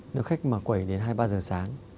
nếu khách mà quẩy đến hai ba giờ sáng